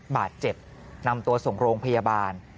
บาดเจ็บนำตัวส่งโรงพยาบาล